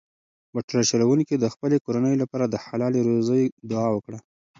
موټر چلونکي د خپلې کورنۍ لپاره د حلالې روزۍ دعا وکړه.